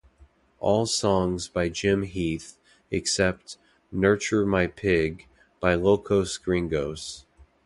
All songs by Jim Heath, except "Nurture My Pig" by Locos Gringos.